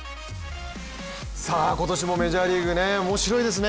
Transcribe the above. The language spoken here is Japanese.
今年もメジャーリーグおもしろいですね。